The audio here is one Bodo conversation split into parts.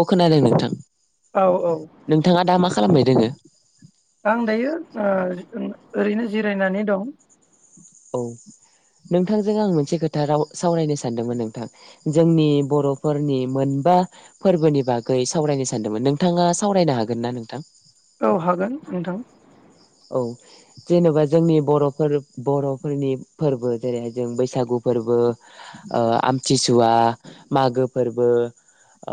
अ खोनादों। [unintelligible] औ -औ नोंथाङा दा मा खालामबाय दोङो आं दायो ओ ओम ओरैनो जिरायनानै दं। औ नोंथांजों आं मोनसे खोथा राव -सावरायनो सानदोंमोन नोंथां। जोंनि बर'फोरनि मोनबा फोरबोनि बागै सावरायनो सानदोंमोन नोंथाङा सावरायनो हागोन ना नोंथां? औ हागोन नोंथां। औ जेने'बा जोंनि बर'फोर -बर'फोरनि फोरबो जेरैहाय जों बैसागु फोरबो, आमथिसुवा, मागो फोरबो,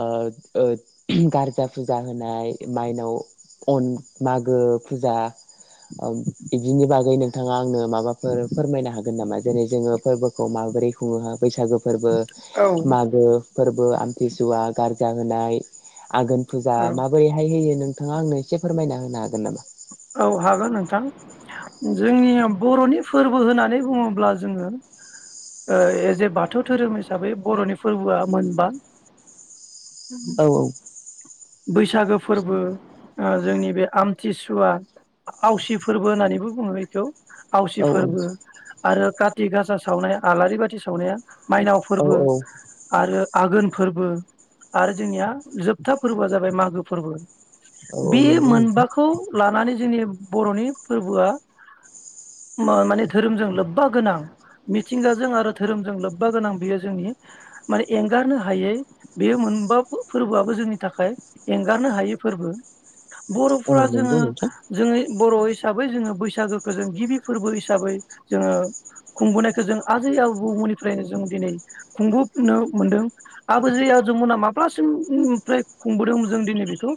ओ गारजा फुजा होनाय माइनाव न- मागो फुजा बिदिनि बागै नोंथाङा आंनो माबाफोर फोरमायनो हागोन नामा जेरै जोङो फोरबोखौ [unintelligible] माबोरै खुङो हा बैसागो फोरबो औ मागो फोरबो आमथिसुवा, गारजा होनाय आघोन फुजा औ माबोरैहाय होयो नों नोंथाङा आंनो एसे फोरमायना होनो हागोन नामा? औ हागोन नोंथां। जोंनिया बर'नि फोरबो होननानै बुङोब्ला जोङो ओ ऐजे बाथौ धोरोम हिसाबै बर'नि फोरबोआ मोनबा। औ -औ। बैसागो फोरबो अ जोंनि बे आमथिसुवा आवसि फोरबो होननानैबो बुङो बेखौ। आवसि औ फोरबो आरो [unintelligible] थि गासा सावनाय आलारि बाथि सावनाया मायनाव औ फोरबो औ आरो आघोन फोरबो आरो जोंनिया जोबथाब फोरबोआ जाबाय मागो फोरबो। औ औ बे नंगौ नोंथां मोनबाखौ लानानै जोंनि बर'नि फोरबोआ मा-माने धोरोमजों लोब्बा गोनां मिथिंगाजों आरो धोरोमजों लोब्बा गोनां बेयो जोंनि माने एंगारनो हायै बेयो मोनबा फोरबोआबो जोंनि थाखाय एंगारनो हायै फोरबो। औ बर'फोरा जोङो नंगौ नोंथां जोङै बर'यै हिसाबै जोङो बैसागोखो जों गिबि फोरबो हिसाबै जोङो खुंबोनायखौ जों आजै आबौमोननिफ्रायनो जों दिनै खुंबोनो मोनदों आबोजै आजौमोना माब्लासिम ओमफ्राय खुंबोदोंमोन जों दिनै बेखौ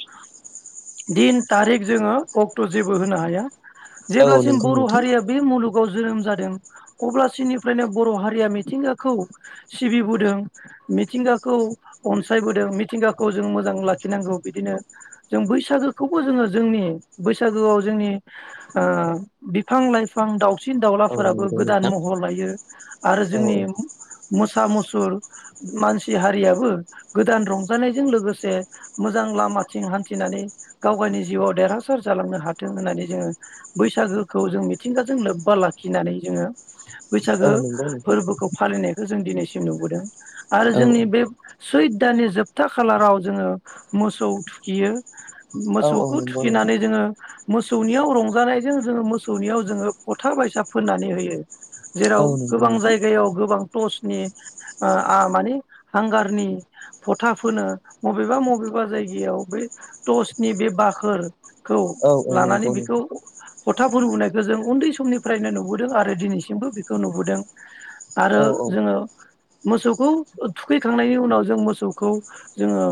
दिन तारिक जोङो अक्ट' जेबो होनो हाया। औ जेब्लासिम नंगौ बर' नोंथां हारिया बे मुलुगाव जोनोम जादों अब्लासिनिफ्रायनो बर' हारिया मिथिंगाखौ सिबिबोदों, मिथिंगाखौ अनसायबोदों, मिथिंगाखौ जों मो जां लाखिनांगौ। बिदिनो जों बैसागोखौबो जोङो जोंनि बैसागोआव जोंनि ओ बिफां लाइफां दाउ सिन औ दाउलाफोराबो नंगौ गोदान नोंथां महर लायो आरो औ जोंनि मो सा मुसुर मानसि हारियाबो गोदान रंजानायजों लोगो से मोजां लामाथिं हान्थिनानै गावगायनि जिउआव देरहासार जालांनो हाथों होननानै जोङो बैसागोखौ जों मिथिंगाजों लोब्बा लाखिनानै जोङो औ बैसागो नंगौ नोंथां फोरबोखौ फालिनाय बेखौ जों दिनैसिम नुबोदों। आरो औ जोंनि बे सैद दाननि जोबथा खालाराव जोङो मोसौ थुखियो। औ औ मोसौखौ नंगौ नोंथां थुखिनानै जोङो मोसौनियाव रंजानायजों जोङो मोसौनियाव जोङो फथा बायसा फोननानै होयो। औ जेराव नंगौ गोबां नोंथां जायगायाव गोबां टसनि ओ आ माने हांगारनि फथा फोनो। मबेबा मबेबा जायगायाव बे टसनि बे बाखोर खौ औ औ लानानै नंगौ बेखौ नोंथां फथा फुनबुनायखो जों उन्दै समनिफ्रायनो नुबोदों आरो दिनैसिमबो बिखौ नुबोदों। आरो औ जोङो मोसौखौ थुखैखांनायनि उनाव जों मोसौखौ जोङो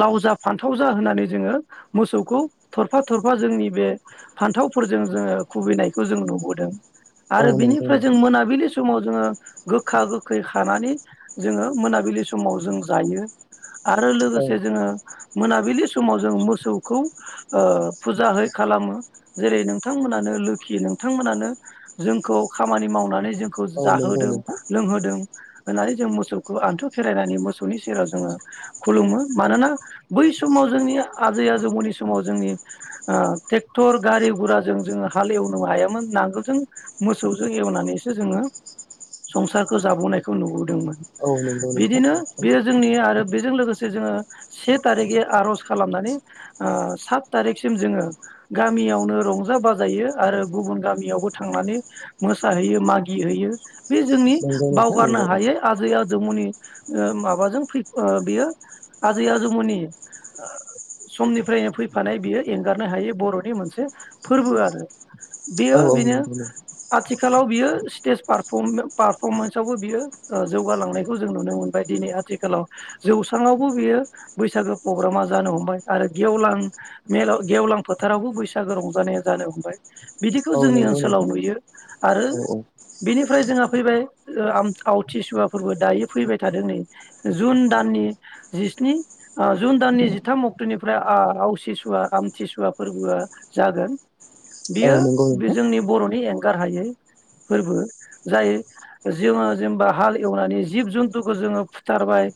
लाव, जा फान्थाव जा होननानै जोङो मोसौखौ थरफा थरफा जोंनि बे फान्थावफोरजों जोङो खुबैनायखौ जों नुबोदों। आरो औ नंगौ बिनिफ्राय जों नोंथां मोनाबिलि समाव जोङो गोखा गोखै खानानै, जोङो मोनाबिलि समाव जों जायो। आरो औ लोगोसे जोङो मोनाबिलि समाव जों मोसौखौ ओ फुजाहै खालामो जेरै नोंथांमोनानो लोखि नोंथांमोनानो जोंखौ खामानि मावनानै जों खौ औ नंगौ जाहोदों नोंथां लोंहोदों। होननानै जों मोसौखौ आन्थु खेरायनानै मोसौनि सेराव जोङो। खुलुमो मानोना बै समाव जोंनि आजै आजौमोननि समाव जोंनि ओ टेक्टर गारि गुराजों जोङो हाल एवनो हायामोन नांगोलजों मोसौजों एवनानैसो जोङो संसारखौ जाबोनायखौ नुबोदोंमोन। औ नंगौ नोंथां बिदिनो बेयो जोंनि आरो बेजों लोगो से जोङो से थारिगे आर'ज खालामनानै ओ सात तारिखसिम जोङो गामियावनो रंजा बाजायो आरो गुबुन गामियावबो थांनानै मोसाहैयो मागि हैैयो। बे जोंनि नंगौ नोंथां बावगारनो नंगौ हायै आजै आजौमोनि ओ माबाजों फै ओ बेयो आजै आजौमोननि समनिफ्रायनो फैफानाय बियो एंगारनो हायै बर'नि मोनसे फोरबो आरो। बेयो औ औ बेनो नंगौ नों आथि खालाव बियो सिटेज पारफम पारफमेनस आवबो बियो ओ जौगालांनायखौ जों नुनो मोनबाय दिनै आथिखालाव जौ स्राङावबो बियो बैसागो प्रग्रामा जानो हमबाय आरो गेवलां मेलाव गेवलां फोथारावबो बैसागो रंजानाया जानो हमबाय। बिदिखौ औ जोंनि नंगौ ओनसोलाव नोंथां नुयो आरो औ औ बिनि ओमफ्राय जोंङो फैबाय ओ आम आवथिसुवाफोरबो दायो फैबाय थादों नै जुन दाननि। जिस्नि ओ जुन दाननि जिथाम अक्ट'निफ्राय ओ आवसि सुवा आमथिसुवा फोरबोआ जागोन। औ बियो नंगौ बे नोंथां जोंनि बर'नि एं गारहायै फोरबो जाय जोङो जेनेबा हाल एवनानै जिब जुन्थुखौ जोङो फुथारबाय।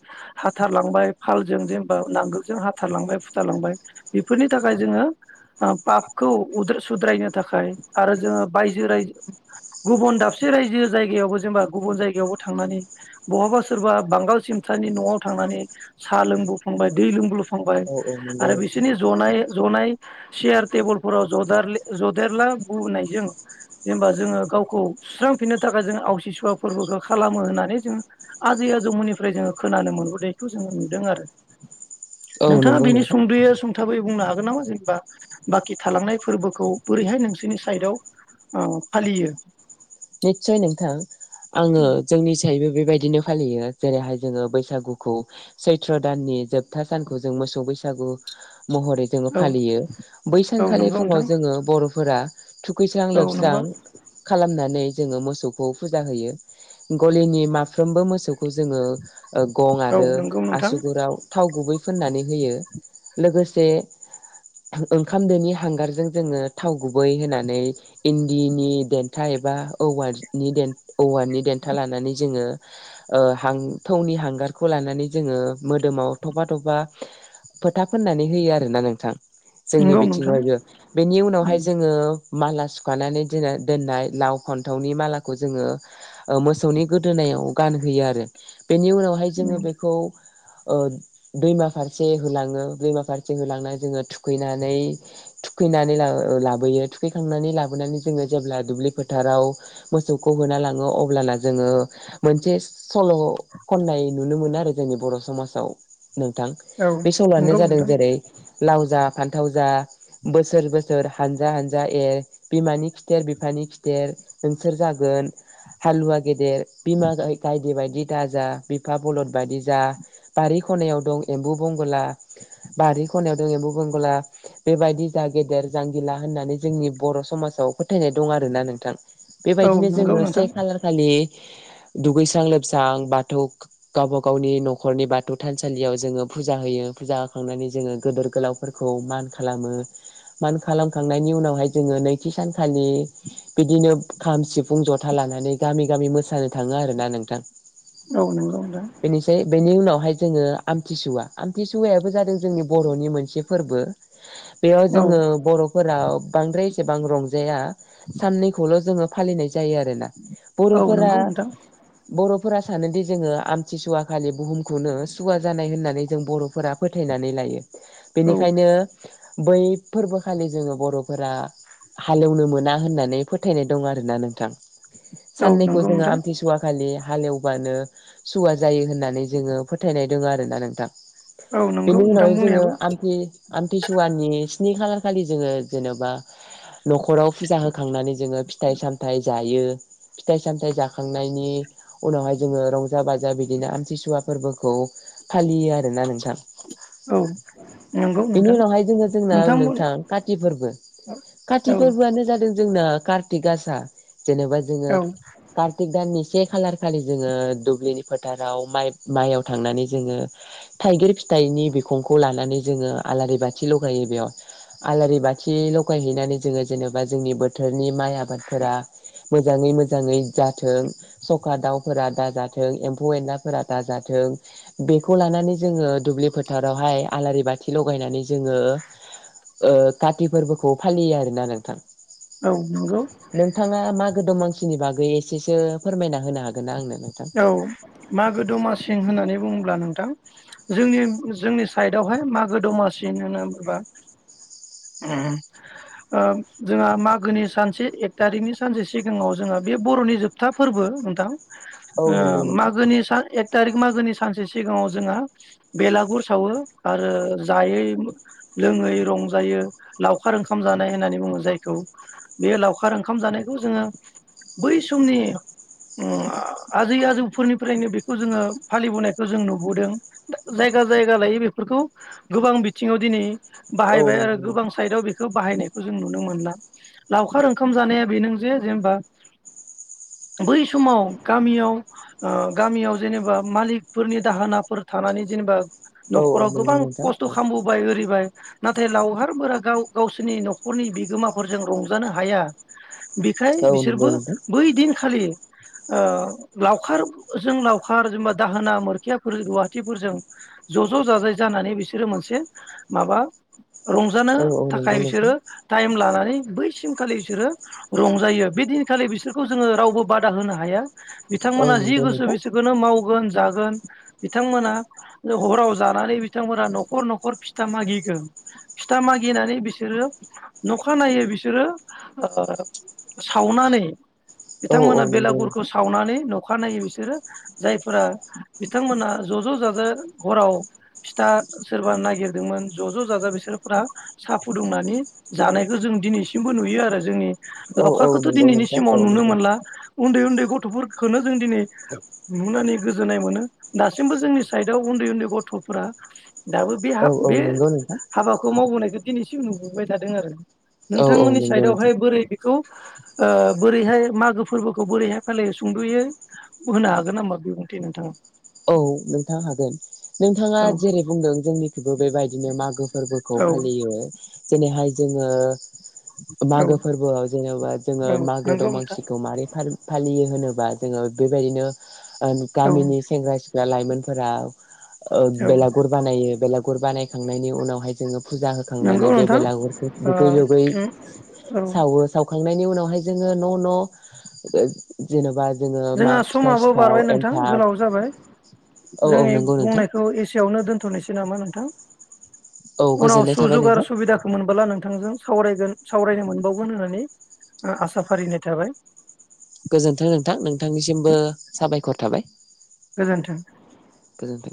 थारलांबाय फालजों जेनबा नांगोलजों हाथारलांबाय फुथारलांबाय बेफोरनि थाखाय जोङो ओ पापखौ उद्रो सुद्रायनो थाखाय आरो जोङो बायजो राय गुबुन दाबसे राइजो जायगायावबो जेनबा गुबुन जायगायाव बो थांनानै बहाबा सोरबा बांगाल सिमथानि न'आव थांनानै साहा लोंबो फ्लांबाय दै लोंब्लो फांबाय औ औ नंगौ आरो नोंथां बिसोरनि जनाय जनाय सियार टेबोलफोराव जदेरलि जदेरला बोनायजों जेनबा जोङो गावखौ सुस्रांफिननो थाखाय जों आवसि सुवा फोरबोखौ खालामो होननानै जों आजै आजौमोननिफ्राय जोङो खोनानो मोनबो नायखौ जोङो नुदों आरो। औ नोंथाङा नंगौ बिनि नोंथां सुंद'यो सुं थाबै बुंनो हागोन नामा जेनबा बाखि थालांनाय फोरबोखौ बोरैहाय नोंसोरनि साइदआव ओ फालियो? निस्सय नोंथां। आंङो जोंनि सायबो बेबायदिनो फालियो जेरैहाय जोङो बैसागुखौ सैथ्र' दाननि जोबथा सानखौ जों मोसौ बैसागु महरै जोङो औ फालियो बै औ सानखालि नंगौ फुङाव नोंथां जोङो बर' फोरा खुस्रां औ लोबस्रां नंगौ खालामना नै जोङो मोसौखौ फुजा होयो गलिनि माफ्रोमबो मोसौ खौ जोङो ओ गं औ आरो नंगौ नोंथां आसुगुराव थाव गुबै फुननानै होयो लोगोसे ओंखाम दोनि हांगारजों जोङो थाव गुबै होनानै इन्दिनि देन्था एबा औवानि औवानि देन्था लानानै जोङो ओ हां थौनि हांगारखौ लानानै जोङो मोदोमाव थफा थफा फोथा फोननानै होयो आरोना नोंथां। जोंनि नंगौ नोंथां बिथिङावहायबो बेनि उनावहाय उम जोङो माला सुखानानै दिना दोननाय लाव फान्थावनि मालाखौ जोङो ओ मोसौनि गोदोनायाव गानहोयो आरो। बेनि उनावहाय जोङो उम बेखौ ओ दैमा फारसे होलाङो दैमा फारसे होलांनानै जोङो थु खैनानै थुखैनानै लाबोयो थुखैखांनानै लाबोनानै जोङो जेब्ला दुब्लिफोर फोथाराव मोसौखौ होना लाङो अब्लाना जोङो मोनसे सल' खननाय नुनो मोनो आरो जोंनि बर' समाजाव। नोंथां औ बे सल'आनो नंगौ जादों नोंथां जेरै लाव जा फान्थाव जा बोसोर बोसोर हानजा हानजा एर बिमानि खिथेर बिफानि खि थेर नोंसोर जागोन हालुवा गेदेर बिमा गायदे बायदि दा जा बिफा बलद बायदि जा बारि खनायाव दं एम्बु बंगला बारि खनायाव दं एम्बु बंगला बेबायदि जा गेदेर जांगिला होननानै जोंनि बर' समाजाव फोथायनाय दं आरो ना नों थां। औ बेबायदिनो नंगौ जोङो से नोंथां खालार खालि दुगैस्रां लोबस्रां बाथौ गावबा गावनि न'खरनि बाथौ थानसालियाव जोङो फुजा होयो फुजा होखांनानै जोङो गोदोर गोलावफोरखौ मान खालामो मान खालामखांनायनि उनावहाय जोङो नैथि सानखालि बिदिनो खाम सिफुं जथा लानानै गामि गामि मोसानो थाङो आरोना नोंथां। औ नोंगौ नोंथां। बेनिसै बेनि उनावहाय जोङो आमथिसुवा आमथिसुवायाबो जादों जोंनि बर'नि मोनसे फोरबो। बेयाव औ जोङो बर'फोरा बांद्राय एसेबां रंजाया। साननैखौल' जोङो फालिनाय जा जायो आरोना औ बर'फोरा नंगौ नोंथां बर'फोरा सानोदि जोङो आमथिसुवा खालि बुहुमखौनो सुवा जानाय होननानै जों बर'फोरा फोथायनानै लायो। औ बेनिखायनो बै फोरबोखालि जोङो बर'फोरा हालएवनो मोना होनना नै फोथायनाय दं आरोना नोंथां औ साननैखौ नंगौ जोङो नोंथां आमथिसुवा खालि हालएवबानो सुवा जायो होननानै जोङो फोथायनाय दों आरो ना नोंथां औ नंगौ बेनि नोंथां उनावहाय जोङो बुंनायाबो आमथि आमथिसुवानि स्नि खालार खालि जोङो जेन'बा न'खराव फुाजा हो खांनानै जोङो फिथाइ सामथाइ जायो फिथाइ सामथाइ जाखांनायनि उनावहाय जोङो रंजा बाजा बिदिनो आमथिसुवा फोरबोखौ फालियो आरोना नोंथां औ नंगौ बेनि नोंथां उनावहाय जोङो जोंना नोंथांमोन नोंथां काति फोरबो औ काति फोरबोआनो जादों [unintelligible] कार्तिकगासा जेनेबा जोङो औ कार्तिक दाननि से खालार खालि जोङो दुब्लिनि फोथाराव माइब माइयाव थांनानै जोङो थाइगिर फिथाइनि बिखंखौ लानानै जोङो आलारि बाथि लगायो बेयाव आलारि बाथि लगायहैनानै जोङो जेबा जोंनि बो थोरनि माइ आबादफोरा मोजाङै मोजाङै जाथों सखा दाउफोरा दाजाथों एम्फौ एनलाफोरा दाजाथों बेखौ लानानै जोङो दुब्लि फोथारावहाय आलारि बाथि लगायनानै जोङो ओ काति फोरबोखौ फालियो आरोना नोंथां औ नंगौ नोंथाङा मा गो दमासिनि बागै एसेसो फोरमायना होनो हागोन ना आंनो नोंथां? औ मागो दमासिं होननानै बुङोब्ला नों थां जोंनि जोंनि साइडआवहाय मागो दमासि होन होनबा ओ जोंहा ओ मागोनि सानसे एक तारिकनि सानसे सिगाङाव जोंहा बे बर'नि जोबथा फोरबो नोंथां औ ओ नंगौ नोंथां मागोनि सा एक तारिख मागोनि स सानसे सिगाङाव जोंहा बेलागुर सावो आरो जायै मो लोङै रंजायो लावखार ओंखाम जानाय होननानै बुङो जायखौ बे लावखार ओंखाम जानायखौ जोङो बै समनि उम आ आजै आजौफोरनिफ्रायनो बेखौ जोङो फालिबोनायखौ जों नुबोदों दा जायगा जायगा लायै बेफोरखौ गोबां बिथिङाव दिनै औ बाहायबाय आरो नंगौ गोबां नोंथां साइदाव बेखौ बाहायनाय खौ जों नुनो मोनला लावखार ओंखाम जानाया बेनो जे जेनेबा बै समाव [unintelligible] ओ गामियाव जेनेबा मालिकफोरनि दाहोनाफोर थानानै जेनेबा औ औ न'खराव नंगौ गोबां नोंथां खस्थ' औ खामबोबाय होरैबाय नाथाय लावहारबोरा गाव गावसोरनि न'खरनि बिगोमाफोरजों रंजानो हाया बिखाय औ नंगौ बिसोरबो नोंथां बै दिन खालि ओ लावखारजों लावखार जेनेबा दाहोना मोरखियाफोर रुवाहाटथिफोरजों ज' ज' जाजाय जानानै बिसोरो मोनसे माबा रंजानो औ औ थाखाय नंगौ नोंथां बिसोरो टाइम लानानै बैसिमखालि इसोरो रंजायो बे दिनखालि बिसोरखौ जोङो रावबो बादा होनो हा हाया औ बिथांमोना जि नंगौ गोसो नोंथां बिसोरखौनो मावगोन जाग गोन बिथांमोना नो हराव जानानै बिथांमोना न'खर न'खर फिथा मागिगोन फिथा मागिनानै बिसोरो नखानायनायै बिसोरो ओ सावनानै औ- औ बिथांमोना नोंगौ बेलागुरखौ नोंथां सावनानै नखा नायै बिसोरो जायफोरा बिथांमोना ज' ज' जाजा हराव फिथा सोरबा नागिरदोंमोन ज' ज' जाजा बिसोरफ्रा साहा फुदुंनानै जानायखौ जों दिनैसिमबो नुयो आरो जोंनि औ औ लाखारखौथ' नंगौ दिनैनि नोंथां सिमाव औ नुनो नंगौ मोनला उन्दै उन्दै गथफोरखोनो जों दिनै नुनानै गोजोननाय मोनो दासिमबो जोंनि साइडआव उन्दै उन्दै गथफोरा दाबो बे हा- औ औ बे नंगौ नोंथां हाबाखौ मावबोनायखौ दिनैसिम नुबोबाय थादों आरो औ औ नोंथांमोननि नंगौ साइदावहाय नोंथां बोरै खौ ओ बोरैहाय मागो फोरबोखौ बोरैहाय फालियो सुंदयै होनो हागोन नामा बिबुंथि नोंथाङा औ नोंथां हागोन नोंथाङा औ जेरै बुंदों जोंथिंबो बेबायदिनो मागो फोरबोखौ औ फालियो जेरैहाय जोङो औ मागो फोरबोआव जेनेबा जोङो औ मागो नंगौ नोंथां दमासिखौ मारै फालि- फालियो होनोबा जोङो बेबायदिनो आ औ गामिनि लाइमोनफोरा ओ औ बेलागुर बानायो बेला- गुर बानायखांनायनि उनावहाय जोङो फुजा नंगौ होखांनानै बे नोंथां बेलागुरखौ दुगै लोबै ओ औ सावो सावखांनानै थांनायनि उनावहाय जोङो न न जेनेबा। जोङो मा जोंहा फिथा समाबो बारबाय सिथाव नोंथां एन्थाब गोलाव जाबाय औ औ जोंनि नंगौ नोंथां बुंनायखौ एसेयाववनो दोनथ नोसै नामा नोंथां। औ उनाव गोजोननाय थाबाय सुजुग आरो नोंथां सुबिदाखौ मोनबोला नों थांजों साव-सावरायनो मोनबावगोन होननानै आसा फारिनाय थाबाय। गोजोन्थों नोंथां नोंथांनिसिमबो साबायखर थाबाय। गोजोन्थों। गोजोन्थों